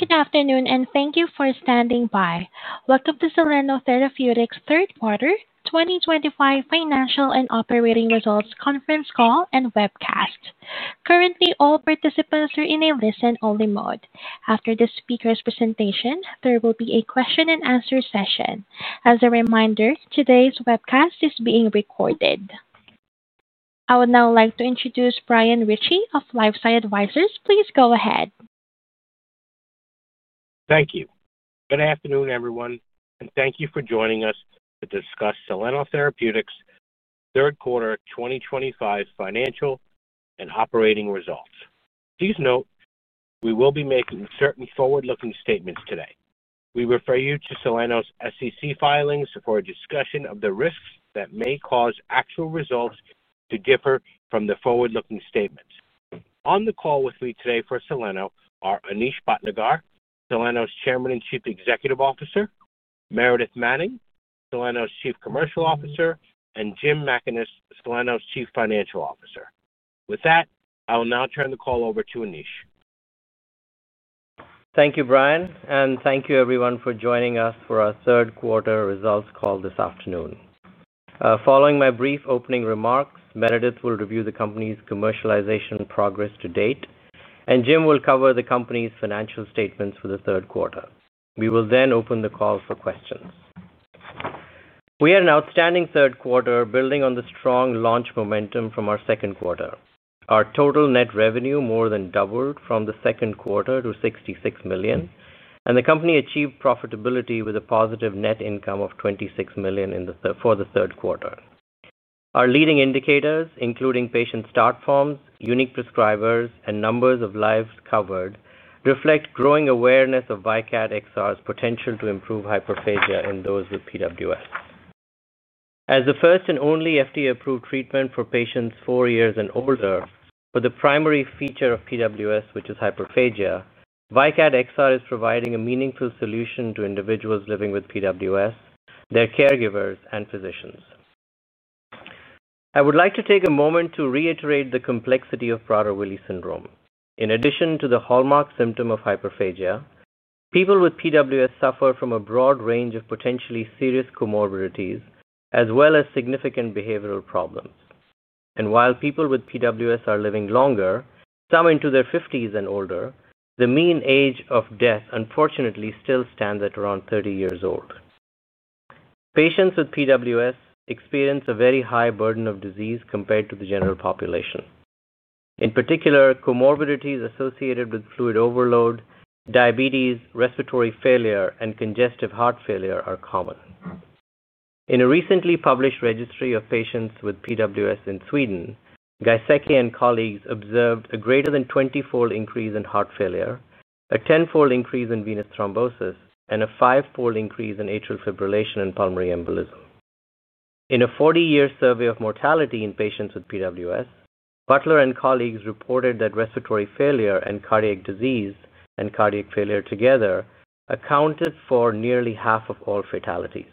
Good afternoon and thank you for standing by. Welcome to Soleno Therapeutics' third-quarter 2025 financial and operating results conference call and webcast. Currently, all participants are in a listen-only mode. After the speaker's presentation, there will be a question-and-answer session. As a reminder, today's webcast is being recorded. I would now like to introduce Brian Ritchie of LifeSci Advisors. Please go ahead. Thank you. Good afternoon, everyone, and thank you for joining us to discuss Soleno Therapeutics' third-quarter 2025 financial and operating results. Please note we will be making certain forward-looking statements today. We refer you to Soleno's SEC filings for a discussion of the risks that may cause actual results to differ from the forward-looking statements. On the call with me today for Soleno are Anish Bhatnagar, Soleno's Chairman and Chief Executive Officer, Meredith Manning, Soleno's Chief Commercial Officer, and Jim Mackaness, Soleno's Chief Financial Officer. With that, I will now turn the call over to Anish. Thank you, Brian, and thank you, everyone, for joining us for our third-quarter results call this afternoon. Following my brief opening remarks, Meredith will review the company's commercialization progress to date, and Jim will cover the company's financial statements for the third quarter. We will then open the call for questions. We had an outstanding third quarter building on the strong launch momentum from our second quarter. Our total net revenue more than doubled from the second quarter to $66 million, and the company achieved profitability with a positive net income of $26 million for the third quarter. Our leading indicators, including patient start forms, unique prescribers, and numbers of lives covered, reflect growing awareness of VYKAT XR's potential to improve hyperphagia in those with PWS. As the first and only FDA-approved treatment for patients four years and older for the primary feature of PWS, which is hyperphagia, VYKAT XR is providing a meaningful solution to individuals living with PWS, their caregivers, and physicians. I would like to take a moment to reiterate the complexity of Prader-Willi syndrome. In addition to the hallmark symptom of hyperphagia, people with PWS suffer from a broad range of potentially serious comorbidities as well as significant behavioral problems. And while people with PWS are living longer, some into their 50s and older, the mean age of death unfortunately still stands at around 30 years old. Patients with PWS experience a very high burden of disease compared to the general population. In particular, comorbidities associated with fluid overload, diabetes, respiratory failure, and congestive heart failure are common. In a recently published registry of patients with PWS in Sweden, Gaiseki and colleagues observed a greater than 20-fold increase in heart failure, a 10-fold increase in venous thrombosis, and a 5-fold increase in atrial fibrillation and pulmonary embolism. In a 40-year survey of mortality in patients with PWS, Butler and colleagues reported that respiratory failure and cardiac disease and cardiac failure together accounted for nearly half of all fatalities.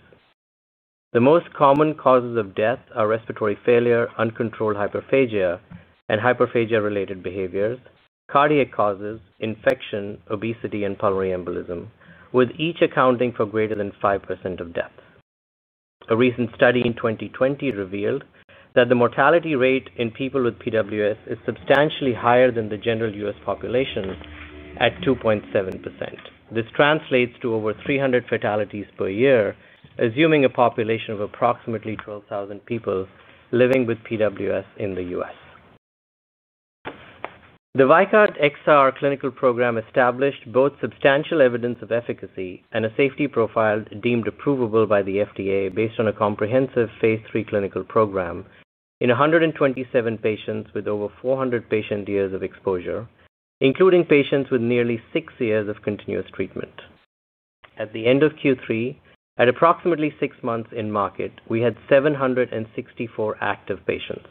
The most common causes of death are respiratory failure, uncontrolled hyperphagia, and hyperphagia-related behaviors, cardiac causes, infection, obesity, and pulmonary embolism, with each accounting for greater than 5% of deaths. A recent study in 2020 revealed that the mortality rate in people with PWS is substantially higher than the general U.S. population. At 2.7%. This translates to over 300 fatalities per year, assuming a population of approximately 12,000 people living with PWS in the U.S. The VYKAT XR clinical program established both substantial evidence of efficacy and a safety profile deemed approvable by the FDA based on a comprehensive phase three clinical program in 127 patients with over 400 patient years of exposure, including patients with nearly six years of continuous treatment. At the end of Q3, at approximately six months in market, we had 764 active patients.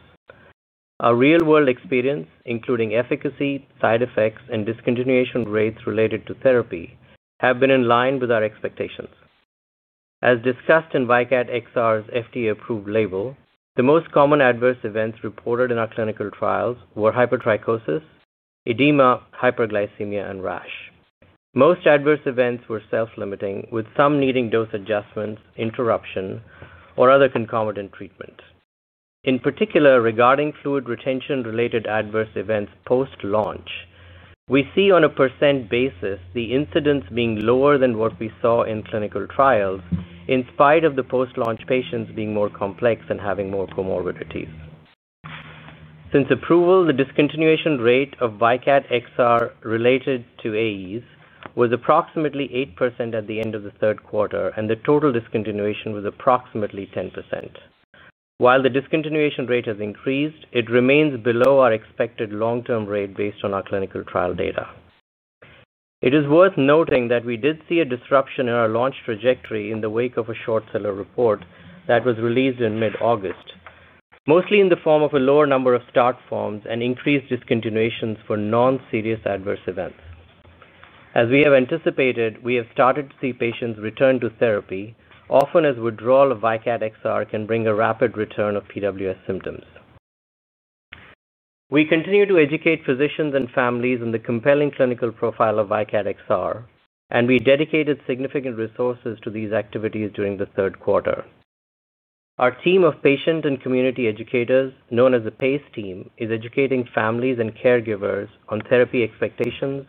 Our real-world experience, including efficacy, side effects, and discontinuation rates related to therapy, has been in line with our expectations. As discussed in VYKAT XR's FDA-approved label, the most common adverse events reported in our clinical trials were hypertrichosis, edema, hyperglycemia, and rash. Most adverse events were self-limiting, with some needing dose adjustments, interruption, or other concomitant treatment. In particular, regarding fluid retention-related adverse events post-launch, we see on a percent basis the incidence being lower than what we saw in clinical trials in spite of the post-launch patients being more complex and having more comorbidities. Since approval, the discontinuation rate of VYKAT XR related to AEs was approximately 8% at the end of the third quarter, and the total discontinuation was approximately 10%. While the discontinuation rate has increased, it remains below our expected long-term rate based on our clinical trial data. It is worth noting that we did see a disruption in our launch trajectory in the wake of a short seller report that was released in mid-August. Mostly in the form of a lower number of start forms and increased discontinuations for non-serious adverse events. As we have anticipated, we have started to see patients return to therapy, often as withdrawal of VYKAT XR can bring a rapid return of PWS symptoms. We continue to educate physicians and families on the compelling clinical profile of VYKAT XR, and we dedicated significant resources to these activities during the third quarter. Our team of patient and community educators, known as the PACE team, is educating families and caregivers on therapy expectations,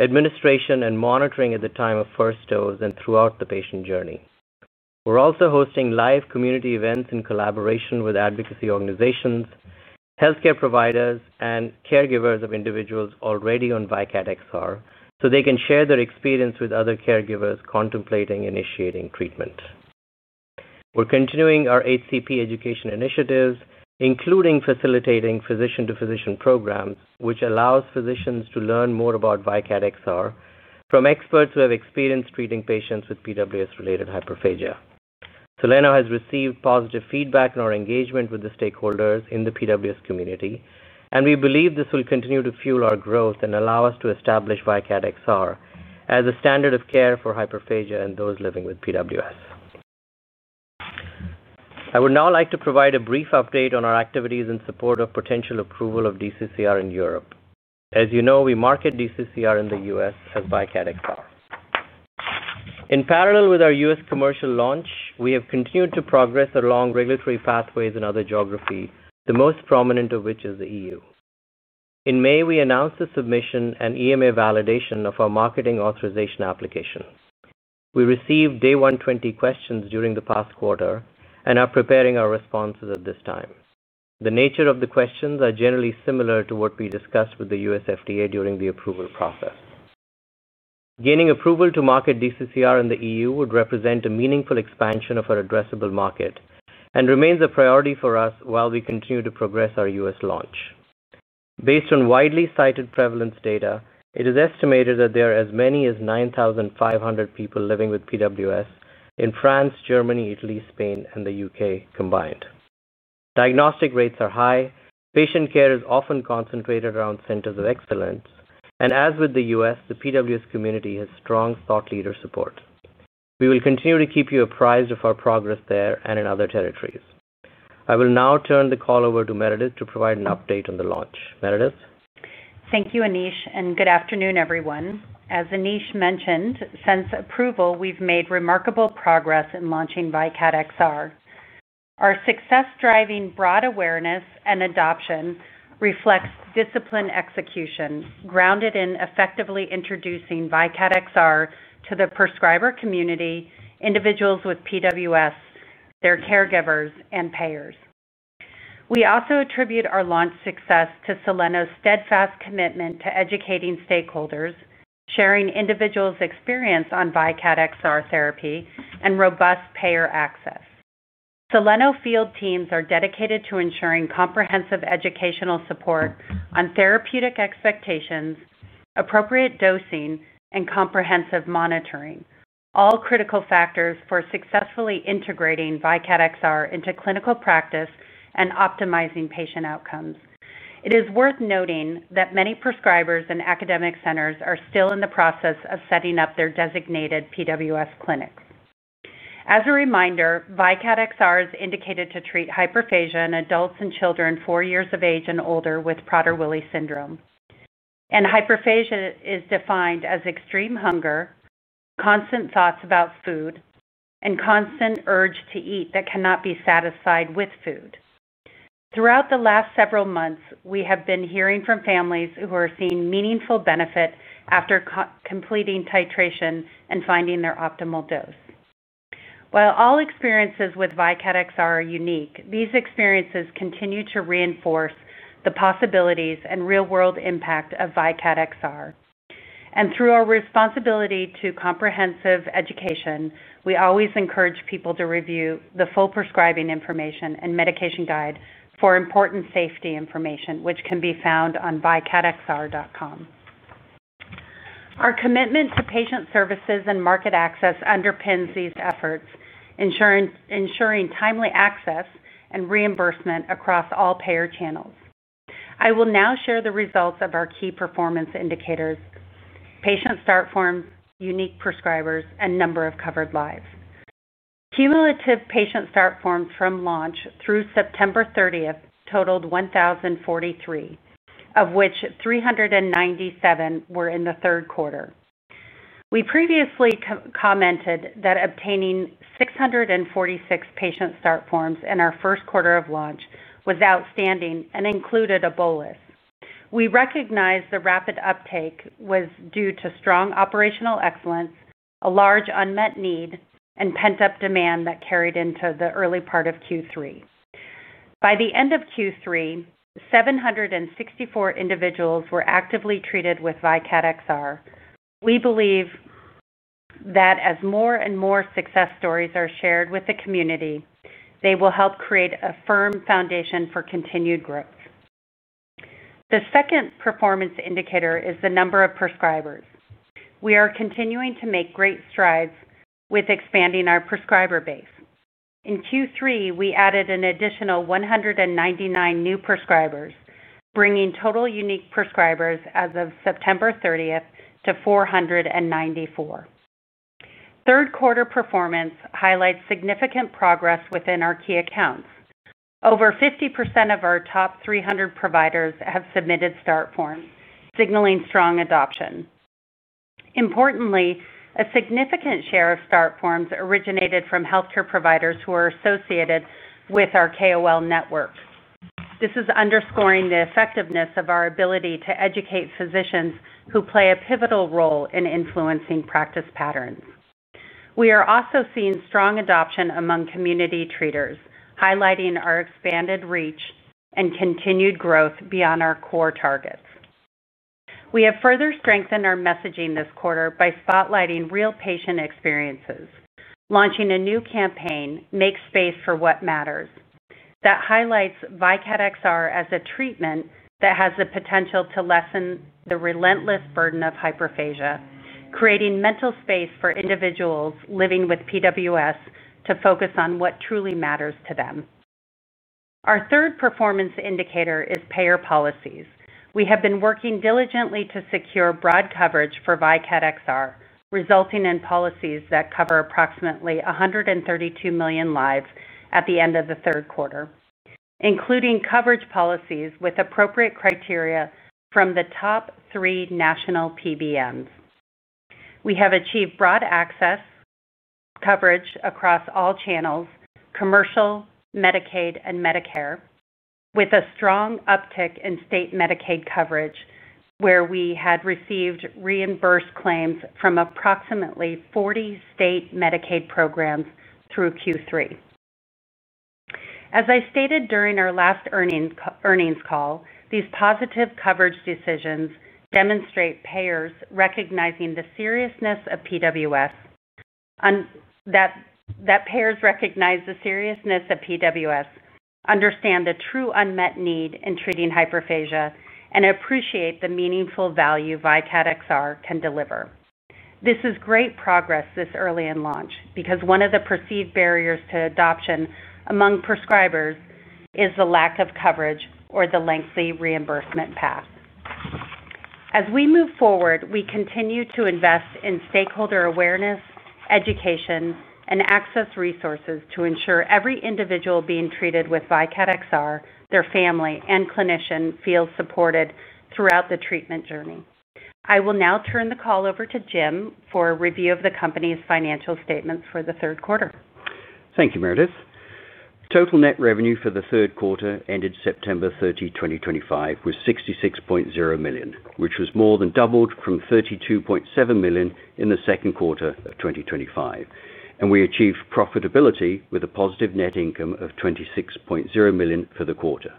administration, and monitoring at the time of first dose and throughout the patient journey. We're also hosting live community events in collaboration with advocacy organizations, healthcare providers, and caregivers of individuals already on VYKAT XR so they can share their experience with other caregivers contemplating initiating treatment. We're continuing our HCP education initiatives, including facilitating physician-to-physician programs, which allows physicians to learn more about VYKATXR from experts who have experienced treating patients with PWS-related hyperphagia. Soleno has received positive feedback on our engagement with the stakeholders in the PWS community, and we believe this will continue to fuel our growth and allow us to establish VYKAT XR as a standard of care for hyperphagia and those living with PWS. I would now like to provide a brief update on our activities in support of potential approval of DCCR in Europe. As you know, we market DCCR in the U.S. as VYKAT XR. In parallel with our U.S. commercial launch, we have continued to progress along regulatory pathways in other geographies, the most prominent of which is the E.U. In May, we announced the submission and EMA validation of our marketing authorization application. We received day 120 questions during the past quarter and are preparing our responses at this time. The nature of the questions is generally similar to what we discussed with the U.S. FDA during the approval process. Gaining approval to market DCCR in the EU would represent a meaningful expansion of our addressable market and remains a priority for us while we continue to progress our U.S. launch. Based on widely cited prevalence data, it is estimated that there are as many as 9,500 people living with PWS in France, Germany, Italy, Spain, and the U.K. combined. Diagnostic rates are high, patient care is often concentrated around centers of excellence, and as with the U.S., the PWS community has strong thought leader support. We will continue to keep you apprised of our progress there and in other territories. I will now turn the call over to Meredith to provide an update on the launch. Meredith? Thank you, Anish, and good afternoon, everyone. As Anish mentioned, since approval, we've made remarkable progress in launching VYKAT XR. Our success driving broad awareness and adoption reflects discipline execution grounded in effectively introducing VYKATXR to the prescriber community, individuals with PWS, their caregivers, and payers. We also attribute our launch success to Soleno's steadfast commitment to educating stakeholders, sharing individuals' experience on VYKAT XR therapy, and robust payer access. Soleno field teams are dedicated to ensuring comprehensive educational support on therapeutic expectations, appropriate dosing, and comprehensive monitoring, all critical factors for successfully integrating VYKAT XR into clinical practice and optimizing patient outcomes. It is worth noting that many prescribers and academic centers are still in the process of setting up their designated PWS clinic. As a reminder, VYKAT XR is indicated to treat hyperphagia in adults and children four years of age and older with Prader-Willi syndrome. And hyperphagia is defined as extreme hunger, constant thoughts about food, and constant urge to eat that cannot be satisfied with food. Throughout the last several months, we have been hearing from families who are seeing meaningful benefit after completing titration and finding their optimal dose. While all experiences with VYKAT XR are unique, these experiences continue to reinforce the possibilities and real-world impact of VYKAT XR. And through our responsibility to comprehensive education, we always encourage people to review the full prescribing information and medication guide for important safety information, which can be found on vykatxr.com. Our commitment to patient services and market access underpins these efforts, ensuring timely access and reimbursement across all payer channels. I will now share the results of our key performance indicators: patient start forms, unique prescribers, and number of covered lives. Cumulative patient start forms from launch through September 30th totaled 1,043, of which 397 were in the third quarter. We previously commented that obtaining 646 patient start forms in our first quarter of launch was outstanding and included a bolus. We recognize the rapid uptake was due to strong operational excellence, a large unmet need, and pent-up demand that carried into the early part of Q3. By the end of Q3, 764 individuals were actively treated with VYKAT XR. We believe that as more and more success stories are shared with the community, they will help create a firm foundation for continued growth. The second performance indicator is the number of prescribers. We are continuing to make great strides with expanding our prescriber base. In Q3, we added an additional 199 new prescribers, bringing total unique prescribers as of September 30th to 494. Third quarter performance highlights significant progress within our key accounts. Over 50% of our top 300 providers have submitted start forms, signaling strong adoption. Importantly, a significant share of start forms originated from healthcare providers who are associated with our KOL network. This is underscoring the effectiveness of our ability to educate physicians who play a pivotal role in influencing practice patterns. We are also seeing strong adoption among community treaters, highlighting our expanded reach and continued growth beyond our core targets. We have further strengthened our messaging this quarter by spotlighting real patient experiences. Launching a new campaign, "Make Space for What Matters," that highlights VYKAT XR as a treatment that has the potential to lessen the relentless burden of hyperphagia, creating mental space for individuals living with PWS to focus on what truly matters to them. Our third performance indicator is payer policies. We have been working diligently to secure broad coverage for VYKAT XR, resulting in policies that cover approximately 132 million lives at the end of the third quarter, including coverage policies with appropriate criteria from the top three national PBMs. We have achieved broad access. Coverage across all channels: commercial, Medicaid, and Medicare, with a strong uptick in state Medicaid coverage, where we had received reimbursed claims from approximately 40 state Medicaid programs through Q3. As I stated during our last earnings call, these positive coverage decisions demonstrate payers recognizing the seriousness of PWS, understand the true unmet need in treating hyperphagia, and appreciate the meaningful value VYKAT XR can deliver. This is great progress this early in launch because one of the perceived barriers to adoption among prescribers is the lack of coverage or the lengthy reimbursement path. As we move forward, we continue to invest in stakeholder awareness, education, and access resources to ensure every individual being treated with VYKAT XR, their family, and clinician feels supported throughout the treatment journey. I will now turn the call over to Jim for a review of the company's financial statements for the third quarter. Thank you, Meredith. Total net revenue for the third quarter ended September 30, 2025, was $66.0 million, which was more than doubled from $32.7 million in the second quarter of 2025. And we achieved profitability with a positive net income of $26.0 million for the quarter.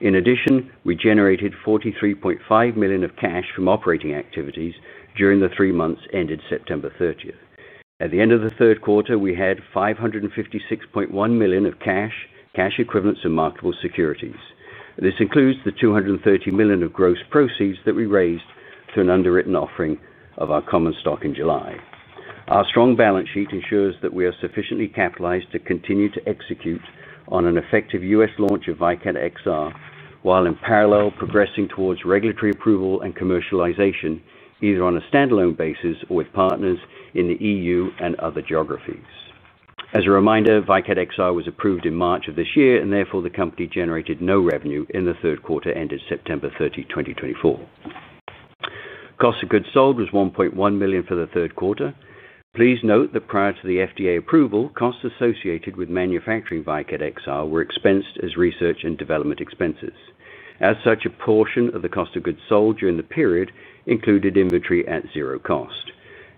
In addition, we generated $43.5 million of cash from operating activities during the three months ended September 30th. At the end of the third quarter, we had $556.1 million of cash, cash equivalents, and marketable securities. This includes the $230 million of gross proceeds that we raised through an underwritten offering of our common stock in July. Our strong balance sheet ensures that we are sufficiently capitalized to continue to execute on an effective U.S. launch of VYKAT XR while in parallel progressing towards regulatory approval and commercialization, either on a standalone basis or with partners in the EU and other geographies. As a reminder, VYKAT XR was approved in March of this year, and therefore the company generated no revenue in the third quarter ended September 30, 2024. Cost of goods sold was $1.1 million for the third quarter. Please note that prior to the FDA approval, costs associated with manufacturing VYKAT XR were expensed as research and development expenses. As such, a portion of the cost of goods sold during the period included inventory at zero cost.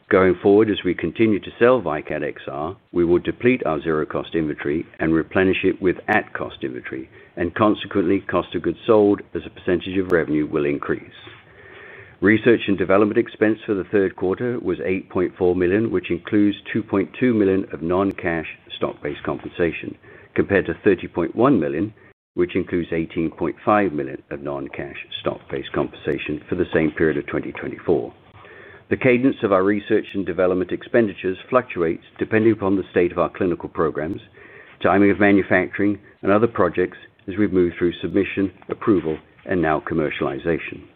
Going forward, as we continue to sell VYKAT XR, we will deplete our zero-cost inventory and replenish it with at-cost inventory, and consequently, cost of goods sold as a percentage of revenue will increase. Research and development expense for the third quarter was $8.4 million, which includes $2.2 million of non-cash stock-based compensation, compared to $30.1 million, which includes $18.5 million of non-cash stock-based compensation for the same period of 2024. The cadence of our research and development expenditures fluctuates depending upon the state of our clinical programs, timing of manufacturing, and other projects as we move through submission, approval, and now commercialization.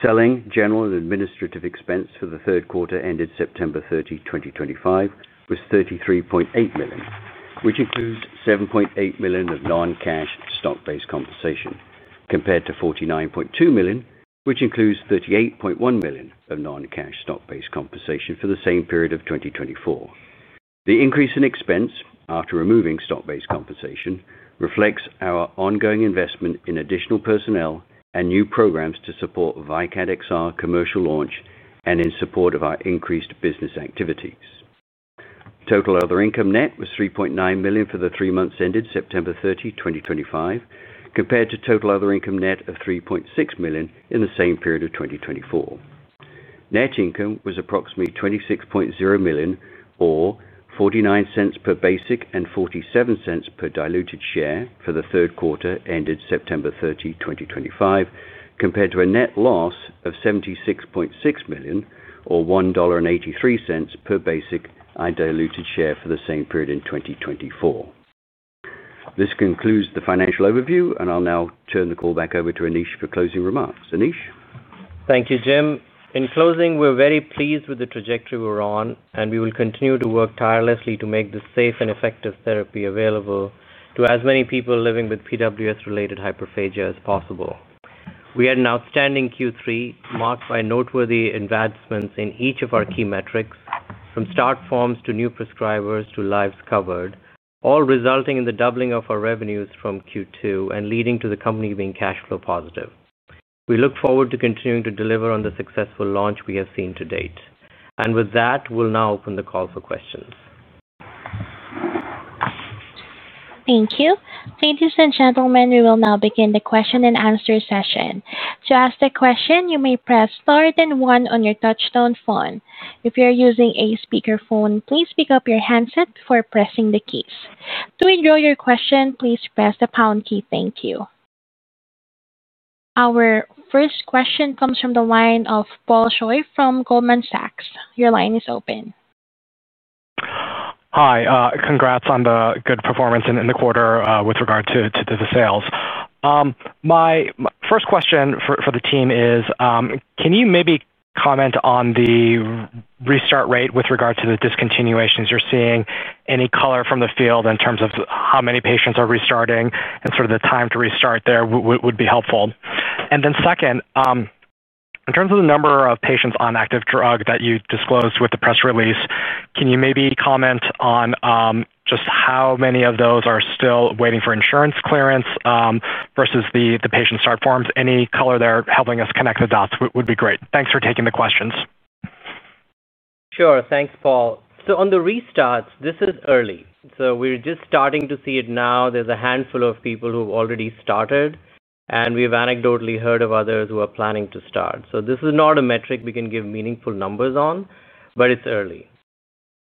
Selling, general, and administrative expense for the third quarter ended September 30, 2025, was $33.8 million, which includes $7.8 million of non-cash stock-based compensation, compared to $49.2 million, which includes $38.1 million of non-cash stock-based compensation for the same period of 2024. The increase in expense after removing stock-based compensation reflects our ongoing investment in additional personnel and new programs to support VYKAT XR commercial launch and in support of our increased business activities. Total other income net was $3.9 million for the three months ended September 30, 2025, compared to total other income net of $3.6 million in the same period of 2024. Net income was approximately $26.0 million, or $0.49 per basic and $0.47 per diluted share for the third quarter ended September 30, 2025, compared to a net loss of $76.6 million, or $1.83 per basic and diluted share for the same period in 2024. This concludes the financial overview, and I'll now turn the call back over to Anish for closing remarks. Anish? Thank you, Jim. In closing, we're very pleased with the trajectory we're on, and we will continue to work tirelessly to make this safe and effective therapy available to as many people living with PWS-related hyperphagia as possible. We had an outstanding Q3 marked by noteworthy advancements in each of our key metrics, from start forms to new prescribers to lives covered, all resulting in the doubling of our revenues from Q2 and leading to the company being cash flow positive. We look forward to continuing to deliver on the successful launch we have seen to date, and with that, we'll now open the call for questions. Thank you. Ladies and gentlemen, we will now begin the question and answer session. To ask a question, you may press star then one on your touch-tone phone. If you're using a speakerphone, please pick up your handset before pressing the keys. To end your question, please press the pound key. Thank you. Our first question comes from the line of Paul Choi from Goldman Sachs. Your line is open. Hi. Congrats on the good performance in the quarter with regard to the sales. My first question for the team is, can you maybe comment on the restart rate with regard to the discontinuations you're seeing? Any color from the field in terms of how many patients are restarting and sort of the time to restart there would be helpful. And then second. In terms of the number of patients on active drug that you disclosed with the press release, can you maybe comment on just how many of those are still waiting for insurance clearance versus the patient start forms? Any color there helping us connect the dots would be great. Thanks for taking the questions. Sure. Thanks, Paul. So on the restarts, this is early. So we're just starting to see it now. There's a handful of people who've already started, and we've anecdotally heard of others who are planning to start. So this is not a metric we can give meaningful numbers on, but it's early.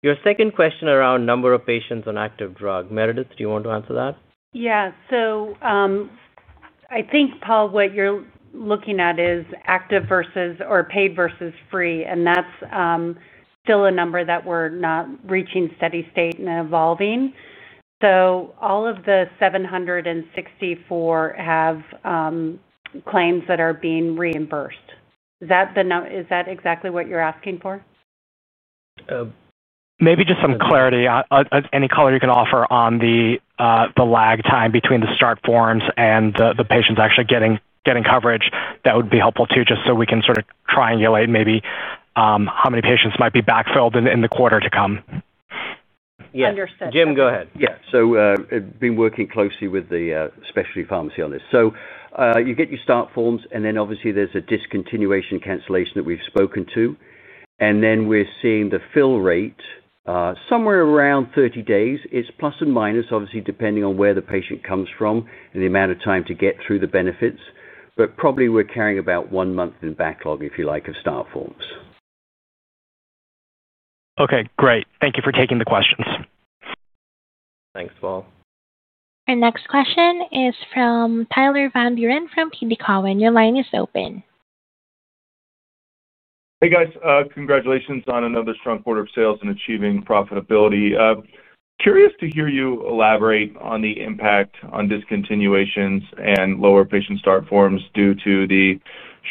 Your second question around the number of patients on active drug, Meredith, do you want to answer that? Yeah. So, I think, Paul, what you're looking at is active versus or paid versus free, and that's still a number that we're not reaching steady state and evolving. So all of the 764 have claims that are being reimbursed. Is that exactly what you're asking for? Maybe just some clarity, any color you can offer on the lag time between the start forms and the patients actually getting coverage. That would be helpful too, just so we can sort of triangulate maybe how many patients might be backfilled in the quarter to come. Yes. Understood. Jim, go ahead. Yeah. So I've been working closely with the specialty pharmacy on this. So you get your start forms, and then obviously there's a discontinuation cancellation that we've spoken to. And then we're seeing the fill rate somewhere around 30 days. It's plus and minus, obviously, depending on where the patient comes from and the amount of time to get through the benefits. But probably we're carrying about one month in backlog, if you like, of start forms. Okay. Great. Thank you for taking the questions. Thanks, Paul. Our next question is from Tyler Van Buren from TD Cowen. Your line is open. Hey, guys. Congratulations on another strong quarter of sales and achieving profitability. Curious to hear you elaborate on the impact on discontinuations and lower patient start forms due to the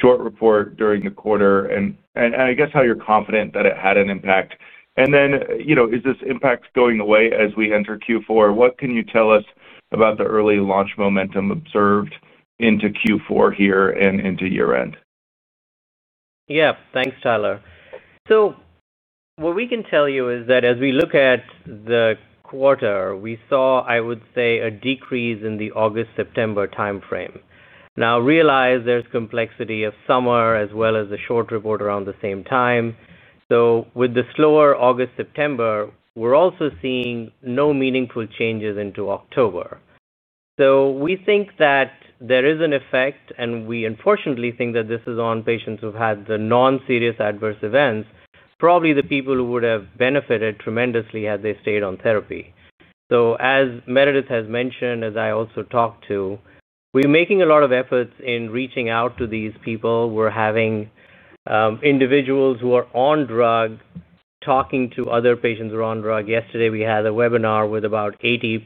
short report during the quarter, and I guess how you're confident that it had an impact. And then, is this impact going away as we enter Q4? What can you tell us about the early launch momentum observed into Q4 here and into year-end? Yeah. Thanks, Tyler. So, what we can tell you is that as we look at the quarter, we saw, I would say, a decrease in the August-September timeframe. Now, realize there's complexity of summer as well as the short report around the same time. So, with the slower August-September, we're also seeing no meaningful changes into October. So, we think that there is an effect, and we unfortunately think that this is on patients who've had the non-serious adverse events. Probably the people who would have benefited tremendously had they stayed on therapy. So, as Meredith has mentioned, as I also talked to, we're making a lot of efforts in reaching out to these people. We're having individuals who are on drug talking to other patients who are on drug. Yesterday, we had a webinar with about 80+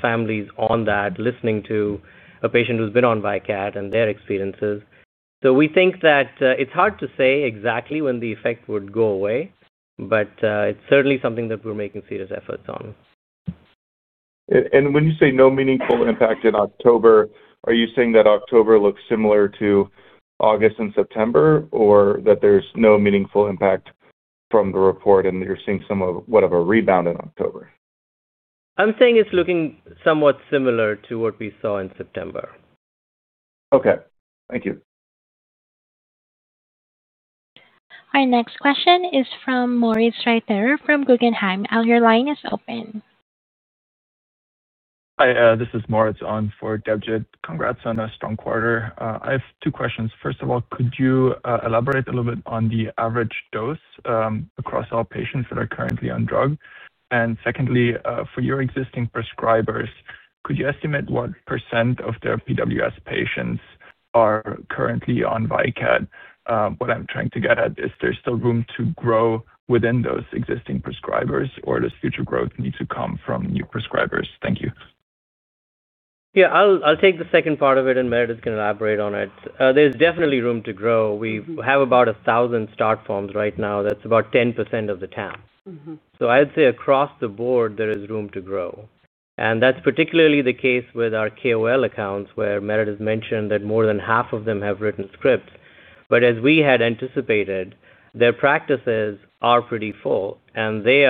families on that, listening to a patient who's been on VYKAT and their experiences. So, we think that it's hard to say exactly when the effect would go away, but it's certainly something that we're making serious efforts on. And when you say no meaningful impact in October, are you saying that October looks similar to August and September, or that there's no meaningful impact from the report and that you're seeing somewhat of a rebound in October? I'm saying it's looking somewhat similar to what we saw in September. Okay. Thank you. Our next question is from Moritz Reiterer from Guggenheim. Your line is open. Hi. This is Moritz on for DevJit. Congrats on a strong quarter. I have two questions. First of all, could you elaborate a little bit on the average dose across all patients that are currently on drug? And secondly, for your existing prescribers, could you estimate what percent of their PWS patients are currently on VYKAT? What I'm trying to get at is there's still room to grow within those existing prescribers, or does future growth need to come from new prescribers? Thank you. Yeah. I'll take the second part of it, and Meredith can elaborate on it. There's definitely room to grow. We have about 1,000 start forms right now. That's about 10% of the TAM. So I'd say across the board, there is room to grow. And that's particularly the case with our KOL accounts where Meredith mentioned that more than half of them have written scripts. But as we had anticipated, their practices are pretty full, and they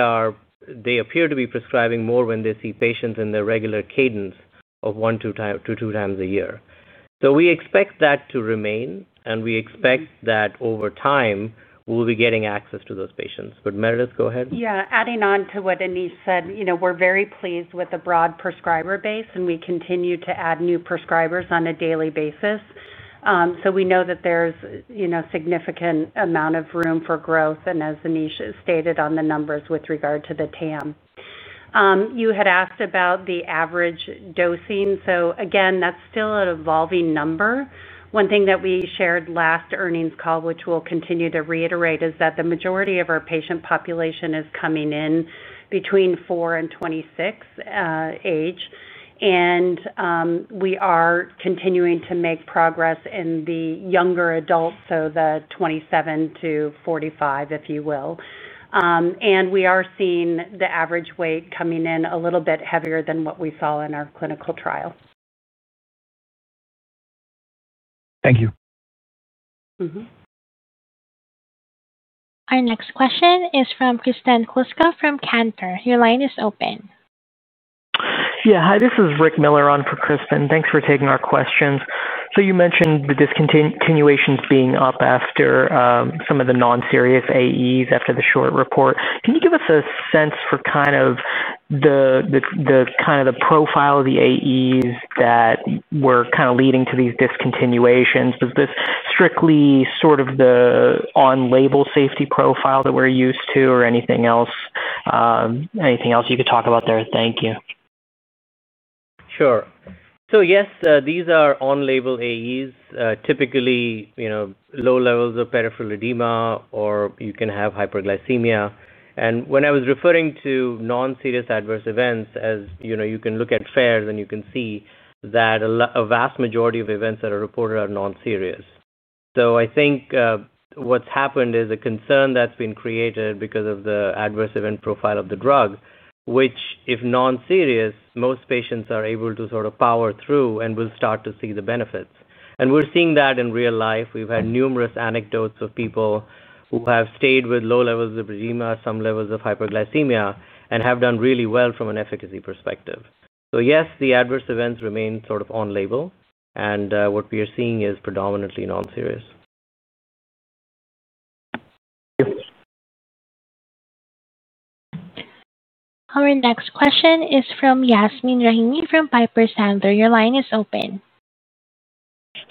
appear to be prescribing more when they see patients in their regular cadence of one to two times a year. So we expect that to remain, and we expect that over time, we'll be getting access to those patients. But Meredith, go ahead. Yeah. Adding on to what Anish said, we're very pleased with the broad prescriber base, and we continue to add new prescribers on a daily basis. So we know that there's a significant amount of room for growth, and as Anish stated on the numbers with regard to the TAM. You had asked about the average dosing. So again, that's still an evolving number. One thing that we shared last earnings call, which we'll continue to reiterate, is that the majority of our patient population is coming in between four and 26 age. And we are continuing to make progress in the younger adults, so the 27 to 45, if you will. And we are seeing the average weight coming in a little bit heavier than what we saw in our clinical trial. Thank you. Our next question is from Kristen Kluska from Cantor. Your line is open. Yeah. Hi. This is Rick Milliron for Kristen. Thanks for taking our questions. So you mentioned the discontinuations being up after some of the non-serious AEs after the short report. Can you give us a sense for kind of the profile of the AEs that were kind of leading to these discontinuations? Was this strictly sort of the on-label safety profile that we're used to, or anything else? Anything else you could talk about there? Thank you. Sure. So yes, these are on-label AEs, typically. Low levels of peripheral edema, or you can have hyperglycemia. And when I was referring to non-serious adverse events, as you can look at FAERS, and you can see that a vast majority of events that are reported are non-serious. So I think what's happened is a concern that's been created because of the adverse event profile of the drug, which, if non-serious, most patients are able to sort of power through and will start to see the benefits. We're seeing that in real life. We've had numerous anecdotes of people who have stayed with low levels of edema, some levels of hyperglycemia, and have done really well from an efficacy perspective. Yes, the adverse events remain sort of on-label, and what we are seeing is predominantly non-serious. Our next question is from Yasmeen Rahimi from Piper Sandler. Your line is open.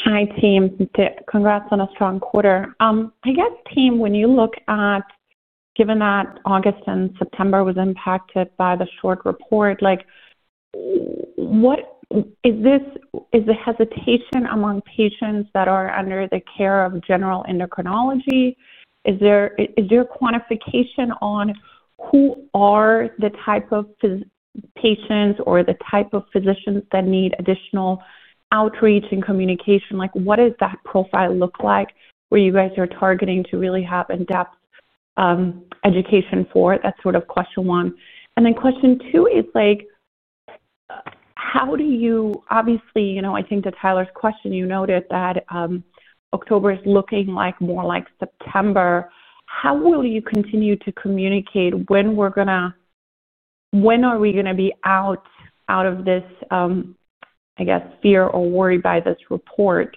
Hi, team. Congrats on a strong quarter. I guess, team, when you look at given that August and September was impacted by the short report. Is the hesitation among patients that are under the care of general endocrinology? Is there a quantification on who are the type of patients or the type of physicians that need additional outreach and communication? What does that profile look like where you guys are targeting to really have in-depth education for that sort of question one? And then question two is how do you obviously, I think to Tyler's question, you noted that October is looking more like September. How will you continue to communicate when we're going to when are we going to be out of this, I guess, fear or worry by this report?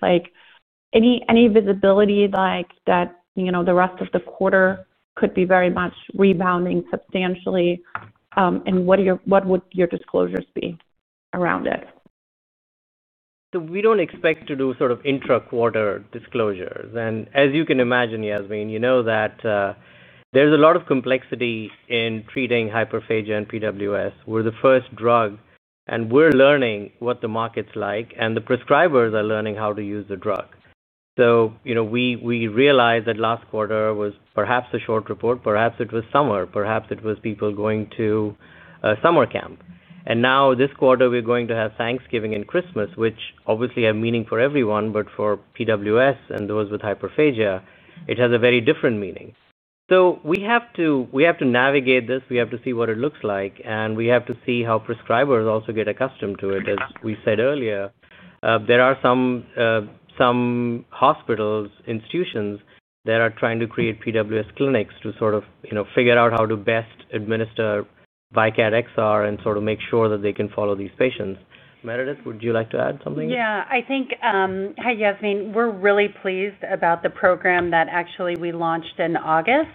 Any visibility that the rest of the quarter could be very much rebounding substantially? And what would your disclosures be around it? So we don't expect to do sort of intra-quarter disclosures. And as you can imagine, Yasmeen, you know that. There's a lot of complexity in treating hyperphagia and PWS. We're the first drug, and we're learning what the market's like, and the prescribers are learning how to use the drug. So we realized that last quarter was perhaps a short report. Perhaps it was summer. Perhaps it was people going to summer camp. And now this quarter, we're going to have Thanksgiving and Christmas, which obviously have meaning for everyone, but for PWS and those with hyperphagia, it has a very different meaning. So we have to navigate this. We have to see what it looks like, and we have to see how prescribers also get accustomed to it. As we said earlier, there are some hospitals, institutions that are trying to create PWS clinics to sort of figure out how to best administer VYKAT XR and sort of make sure that they can follow these patients. Meredith, would you like to add something? Yeah. I think, hi, Yasmeen. We're really pleased about the program that actually we launched in August.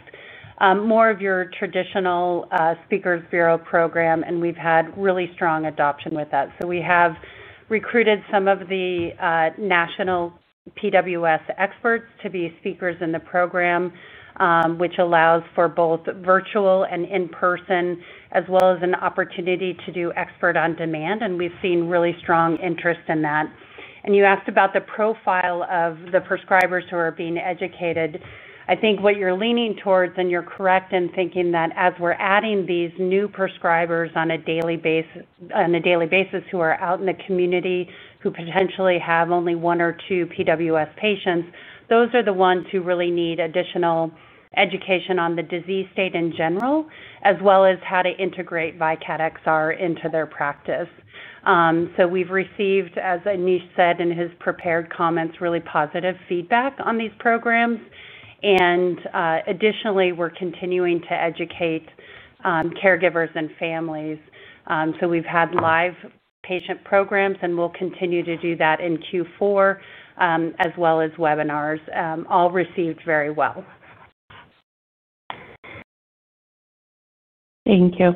More of your traditional speakers' bureau program, and we've had really strong adoption with that. So we have recruited some of the national PWS experts to be speakers in the program. Which allows for both virtual and in-person, as well as an opportunity to do expert on demand. And we've seen really strong interest in that. And you asked about the profile of the prescribers who are being educated. I think what you're leaning towards, and you're correct in thinking that as we're adding these new prescribers on a daily basis who are out in the community, who potentially have only one or two PWS patients, those are the ones who really need additional education on the disease state in general, as well as how to integrate VYKAT XR into their practice. So we've received, as Anish said in his prepared comments, really positive feedback on these programs. And additionally, we're continuing to educate caregivers and families. So we've had live patient programs, and we'll continue to do that in Q4. As well as webinars. All received very well. Thank you.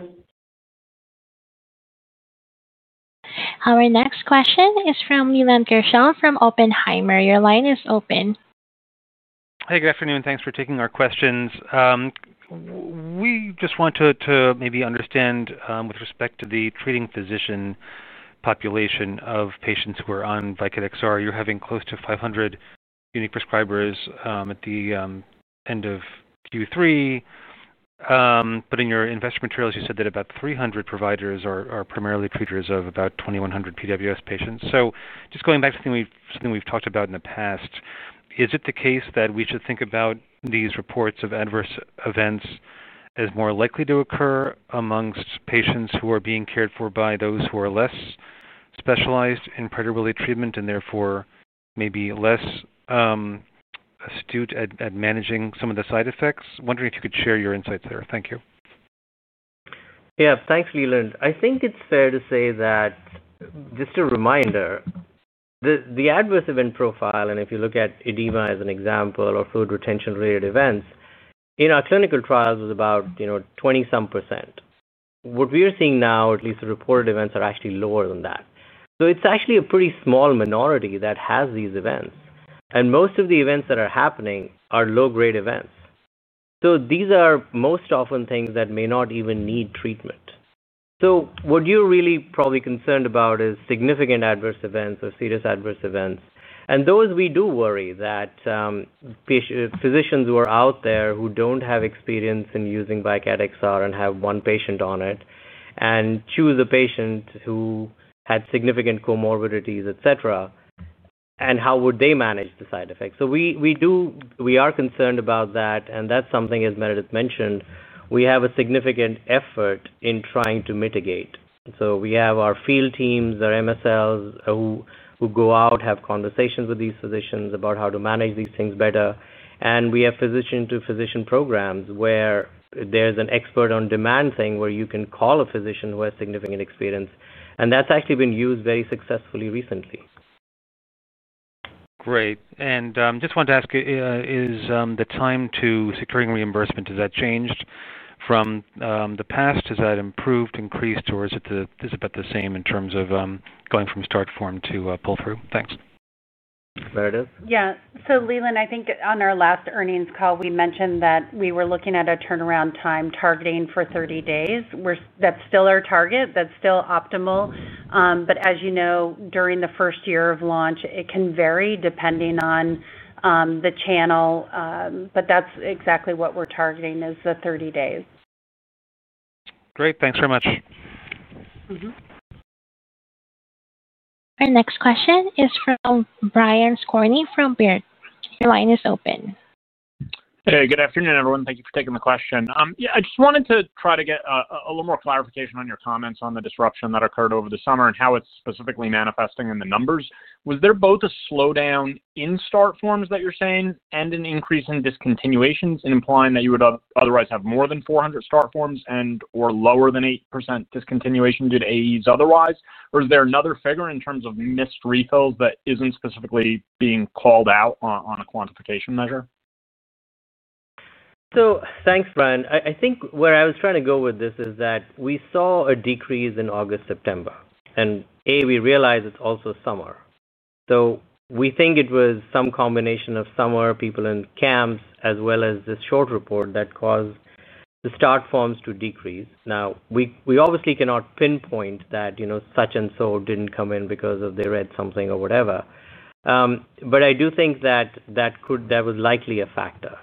Our next question is from Leland Gershell from Oppenheimer. Your line is open. Hi. Good afternoon. Thanks for taking our questions. We just want to maybe understand with respect to the treating physician population of patients who are on VYKAT XR. You're having close to 500 unique prescribers at the end of Q3. But in your investment materials, you said that about 300 providers are primarily treaters of about 2,100 PWS patients. So just going back to something we've talked about in the past, is it the case that we should think about these reports of adverse events as more likely to occur amongst patients who are being cared for by those who are less specialized in predetermined treatment and therefore maybe less astute at managing some of the side effects? Wondering if you could share your insights there. Thank you. Yeah. Thanks, Leland. I think it's fair to say that. Just a reminder, the adverse event profile, and if you look at edema as an example or fluid retention-related events, in our clinical trials, was about 20-some percent. What we are seeing now, at least the reported events, are actually lower than that, so it's actually a pretty small minority that has these events. And most of the events that are happening are low-grade events, so these are most often things that may not even need treatment. So what you're really probably concerned about is significant adverse events or serious adverse events. And those, we do worry that. Physicians who are out there who don't have experience in using VYKAT XR and have one patient on it and choose a patient who had significant comorbidities, etc. And how would they manage the side effects? So we are concerned about that. And that's something, as Meredith mentioned, we have a significant effort in trying to mitigate, so we have our field teams, our MSLs, who go out, have conversations with these physicians about how to manage these things better. And we have physician-to-physician programs where there's an expert-on-demand thing where you can call a physician who has significant experience. And that's actually been used very successfully recently. Great. And I just wanted to ask, is the time to securing reimbursement, has that changed from the past? Has that improved, increased, or is it about the same in terms of going from start form to pull through? Thanks. Meredith? Yeah. So Leland, I think on our last earnings call, we mentioned that we were looking at a turnaround time targeting for 30 days. That's still our target. That's still optimal. But as you know, during the first year of launch, it can vary depending on the channel. But that's exactly what we're targeting is the 30 days. Great. Thanks very much. Our next question is from Brian Skorney from Baird. Your line is open. Hey. Good afternoon, everyone. Thank you for taking the question. I just wanted to try to get a little more clarification on your comments on the disruption that occurred over the summer and how it's specifically manifesting in the numbers. Was there both a slowdown in start forms that you're saying and an increase in discontinuations I'm implying that you would otherwise have more than 400 start forms and/or lower than 8% discontinuation due to AEs otherwise? Or is there another figure in terms of missed refills that isn't specifically being called out on a quantification measure? So thanks, Brian. I think where I was trying to go with this is that we saw a decrease in August, September. And A, we realized it's also summer. So we think it was some combination of summer, people in camps, as well as this short report that caused the start forms to decrease. Now, we obviously cannot pinpoint that such and so didn't come in because they read something or whatever. But I do think that. That was likely a factor.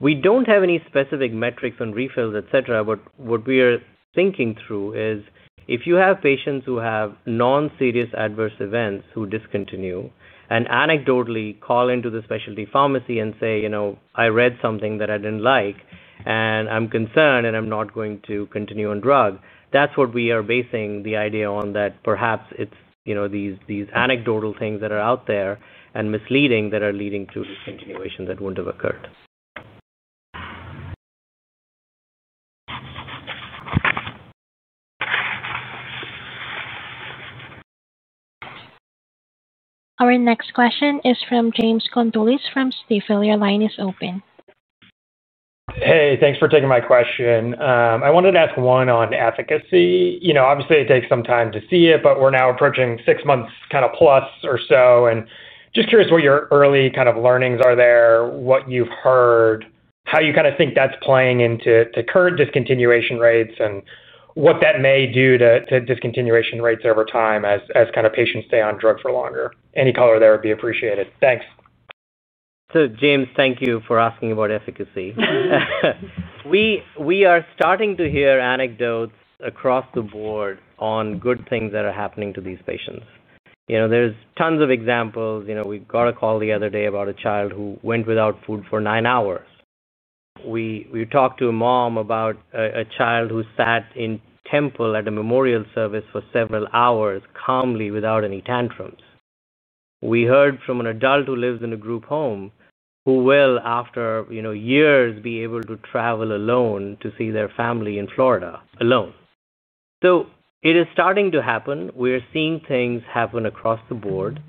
We don't have any specific metrics on refills, etc., but what we are thinking through is if you have patients who have non-serious adverse events who discontinue and anecdotally call into the specialty pharmacy and say, "I read something that I didn't like, and I'm concerned, and I'm not going to continue on drug," that's what we are basing the idea on that perhaps it's these anecdotal things that are out there and misleading that are leading to discontinuation that wouldn't have occurred. Our next question is from James Condulis from Stifel. Your line is open. Hey. Thanks for taking my question. I wanted to ask one on efficacy. Obviously, it takes some time to see it, but we're now approaching six months kind of plus or so, and just curious what your early kind of learnings are there, what you've heard, how you kind of think that's playing into the current discontinuation rates and what that may do to discontinuation rates over time as kind of patients stay on drug for longer. Any color there would be appreciated. Thanks. So James, thank you for asking about efficacy. We are starting to hear anecdotes across the board on good things that are happening to these patients. There's tons of examples. We got a call the other day about a child who went without food for nine hours. We talked to a mom about a child who sat in temple at a memorial service for several hours calmly without any tantrums. We heard from an adult who lives in a group home who will, after years, be able to travel alone to see their family in Florida alone. So it is starting to happen. We are seeing things happen across the board.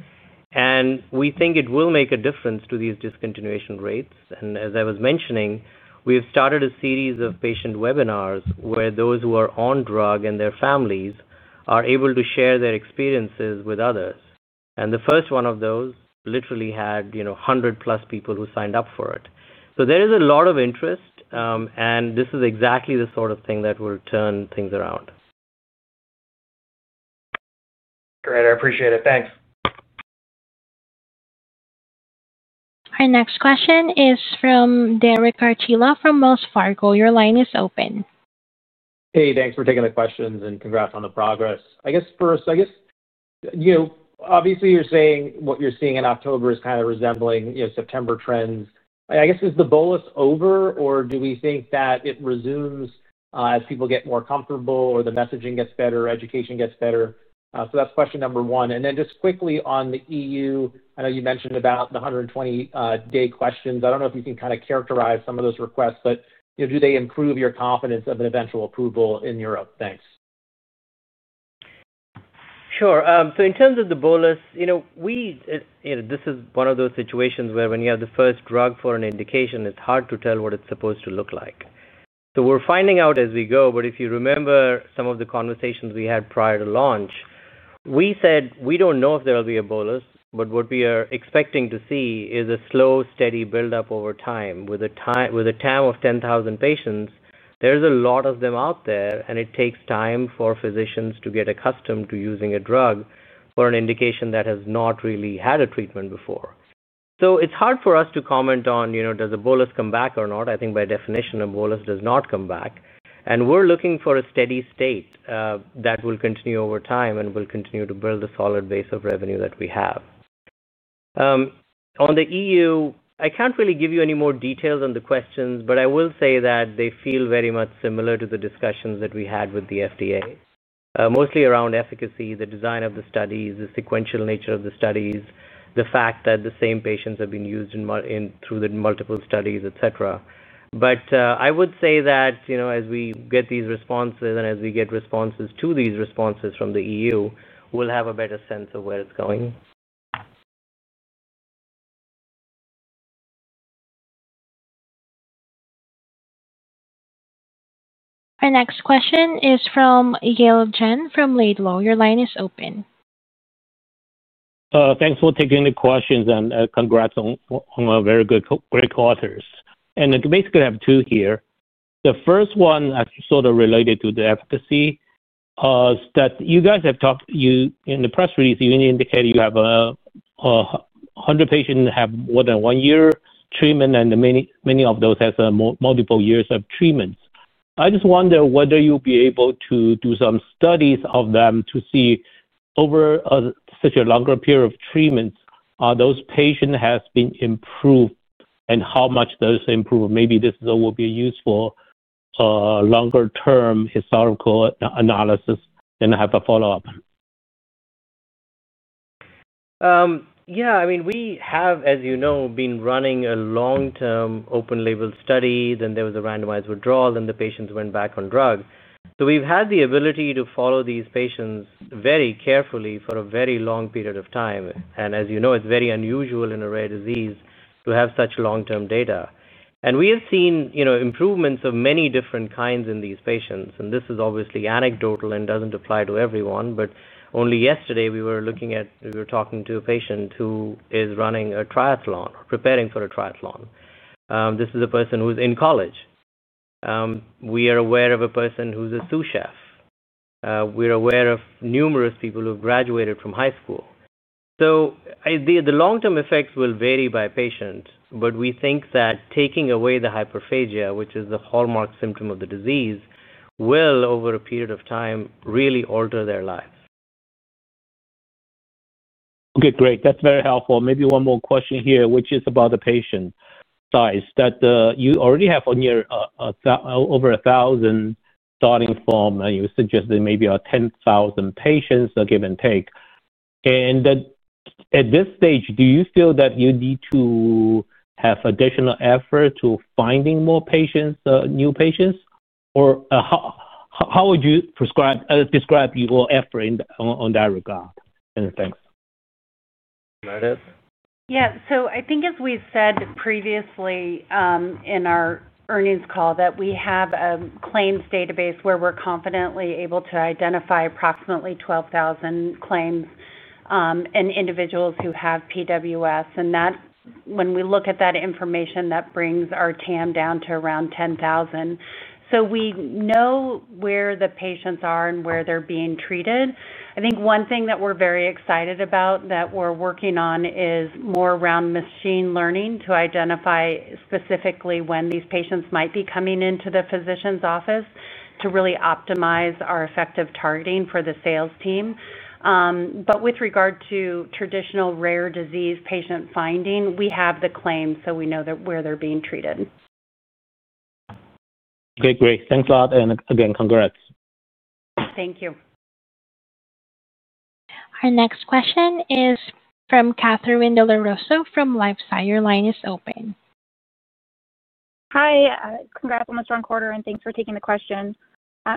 And we think it will make a difference to these discontinuation rates. And as I was mentioning, we have started a series of patient webinars where those who are on drug and their families are able to share their experiences with others. And the first one of those literally had 100+ people who signed up for it. So there is a lot of interest, and this is exactly the sort of thing that will turn things around. Great. I appreciate it. Thanks. Our next question is from Derek Archila from Wells Fargo. Your line is open. Hey. Thanks for taking the questions and congrats on the progress. I guess. Obviously, you're saying what you're seeing in October is kind of resembling September trends. I guess, is the bolus over, or do we think that it resumes as people get more comfortable or the messaging gets better, education gets better? So that's question number one. And then just quickly on the EU, I know you mentioned about the 120-day questions. I don't know if you can kind of characterize some of those requests, but do they improve your confidence of an eventual approval in Europe? Thanks. Sure. So in terms of the bolus, this is one of those situations where when you have the first drug for an indication, it's hard to tell what it's supposed to look like. So we're finding out as we go. But if you remember some of the conversations we had prior to launch, we said we don't know if there will be a bolus, but what we are expecting to see is a slow, steady buildup over time. With a TAM of 10,000 patients, there's a lot of them out there, and it takes time for physicians to get accustomed to using a drug for an indication that has not really had a treatment before. So it's hard for us to comment on does a bolus come back or not. I think by definition, a bolus does not come back. And we're looking for a steady state that will continue over time and will continue to build a solid base of revenue that we have. On the EU, I can't really give you any more details on the questions, but I will say that they feel very much similar to the discussions that we had with the FDA, mostly around efficacy, the design of the studies, the sequential nature of the studies, the fact that the same patients have been used through the multiple studies, etc. But I would say that as we get these responses and as we get responses to these responses from the EU, we'll have a better sense of where it's going. Our next question is from Yale Jen from Laidlaw. Your line is open. Thanks for taking the questions and congrats on a very great quarter. And basically, I have two here. The first one, sort of related to the efficacy. It's that you guys have talked in the press release, you indicated you have 100 patients have more than one year treatment, and many of those have multiple years of treatments. I just wonder whether you'll be able to do some studies of them to see over such a longer period of treatments, are those patients have been improved and how much those improved. Maybe this will be useful. Longer-term historical analysis and have a follow-up. Yeah. I mean, we have, as you know, been running a long-term open-label study. Then there was a randomized withdrawal, then the patients went back on drug. So we've had the ability to follow these patients very carefully for a very long period of time. And as you know, it's very unusual in a rare disease to have such long-term data. And we have seen improvements of many different kinds in these patients. And this is obviously anecdotal and doesn't apply to everyone. But only yesterday, we were talking to a patient who is running a triathlon, preparing for a triathlon. This is a person who's in college. We are aware of a person who's a sous chef. We're aware of numerous people who have graduated from high school. So the long-term effects will vary by patient, but we think that taking away the hyperphagia, which is the hallmark symptom of the disease, will, over a period of time, really alter their lives. Okay. Great. That's very helpful. Maybe one more question here, which is about the patient size. You already have over 1,000 starting form, and you suggest that maybe 10,000 patients, give and take. And at this stage, do you feel that you need to have additional effort to finding more new patients? Or how would you describe your effort in that regard? And thanks. Meredith? Yeah. So I think, as we said previously, in our earnings call, that we have a claims database where we're confidently able to identify approximately 12,000 claims and individuals who have PWS. And when we look at that information, that brings our TAM down to around 10,000. So we know where the patients are and where they're being treated. I think one thing that we're very excited about that we're working on is more around machine learning to identify specifically when these patients might be coming into the physician's office to really optimize our effective targeting for the sales team. But with regard to traditional rare disease patient finding, we have the claims, so we know where they're being treated. Okay. Great. Thanks a lot. And again, congrats. Thank you. Our next question is from Catherine Villaroso from LifeSci. Your line is open. Hi. Congrats on the strong quarter, and thanks for taking the question.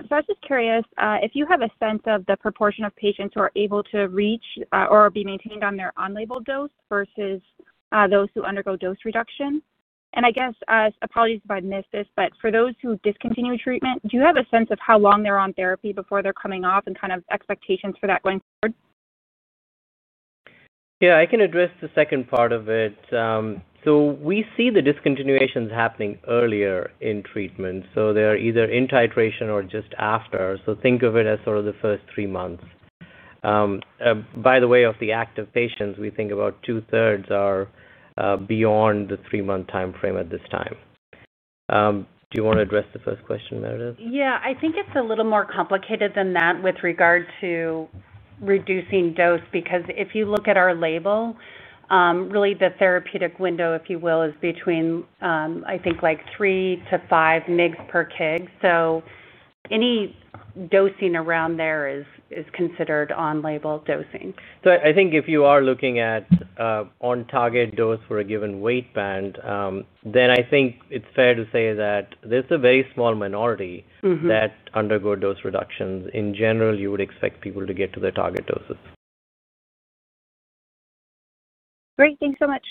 So I was just curious if you have a sense of the proportion of patients who are able to reach or be maintained on their on-label dose versus those who undergo dose reduction. And I guess, apologies if I missed this, but for those who discontinue treatment, do you have a sense of how long they're on therapy before they're coming off and kind of expectations for that going forward? Yeah. I can address the second part of it. So we see the discontinuations happening earlier in treatment. So they're either in titration or just after. So think of it as sort of the first three months. By the way, of the active patients, we think about two-thirds are beyond the three-month timeframe at this time. Do you want to address the first question, Meredith? Yeah. I think it's a little more complicated than that with regard to reducing dose because if you look at our label, really the therapeutic window, if you will, is between, I think, like three to five migs per kg. So. Any dosing around there is considered on-label dosing. So I think if you are looking at on-target dose for a given weight band, then I think it's fair to say that there's a very small minority that undergo dose reductions. In general, you would expect people to get to their target doses. Great. Thanks so much.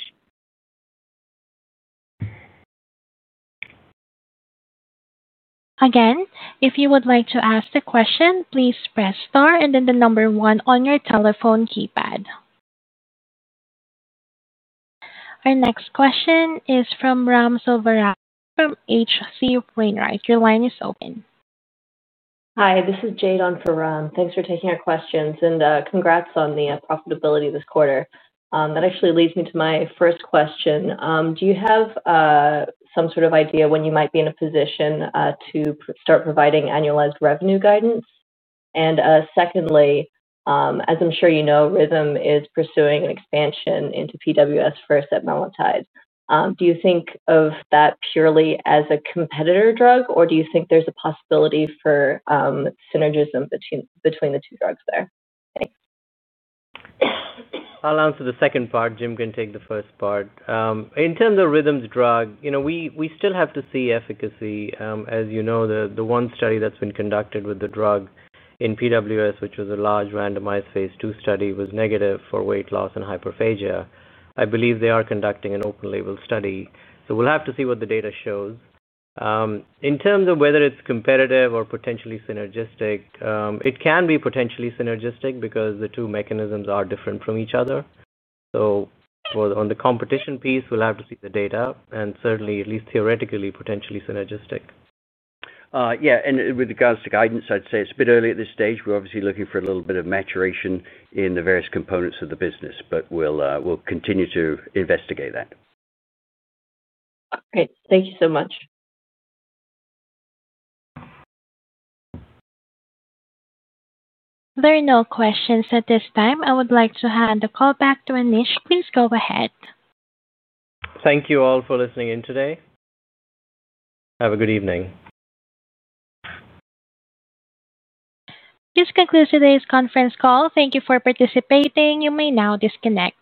Again, if you would like to ask a question, please press star and then the number one on your telephone keypad. Our next question is from Ramsay from H.C. Wainwright. Your line is open. Hi. This is Jade on for Ram. Thanks for taking our questions, and congrats on the profitability this quarter. That actually leads me to my first question. Do you have some sort of idea when you might be in a position to start providing annualized revenue guidance? And secondly, as I'm sure you know, Rhythm is pursuing an expansion into PWS with Setmelanotide. Do you think of that purely as a competitor drug, or do you think there's a possibility for synergism between the two drugs there? I'll answer the second part. Jim can take the first part. In terms of Rhythm's drug, we still have to see efficacy. As you know, the one study that's been conducted with the drug in PWS, which was a large randomized phase two study, was negative for weight loss and hyperphagia. I believe they are conducting an open-label study. So we'll have to see what the data shows. In terms of whether it's competitive or potentially synergistic, it can be potentially synergistic because the two mechanisms are different from each other. So. On the competition piece, we'll have to see the data, and certainly, at least theoretically, potentially synergistic. Yeah. With regards to guidance, I'd say it's a bit early at this stage. We're obviously looking for a little bit of maturation in the various components of the business, but we'll continue to investigate that. Great. Thank you so much. There are no questions at this time. I would like to hand the call back to Anish. Please go ahead. Thank you all for listening in today. Have a good evening. This concludes today's conference call. Thank you for participating. You may now disconnect.